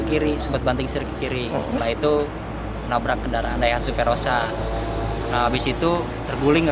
kiri sempat banting sirikiri setelah itu nabrak kendaraan daya suverosa habis itu terguling ke